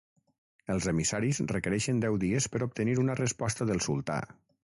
Els emissaris requereixen deu dies per obtenir una resposta del Sultà.